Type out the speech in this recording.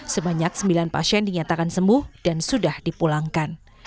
sebanyak sembilan pasien dinyatakan sembuh dan sudah dipulangkan